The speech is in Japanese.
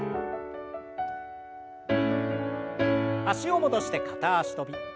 脚を戻して片脚跳び。